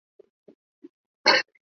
米格这一手为自己多少挽回了损失。